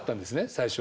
最初。